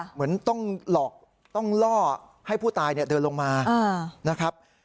เหมือนต้องหลอกต้องล่อให้ผู้ตายเดินลงมานะครับ